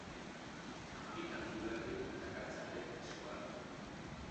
Hamabi kantu berri dakartzate diskoan.